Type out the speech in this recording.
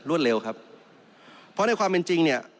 เร็วครับเพราะในความเป็นจริงเนี่ย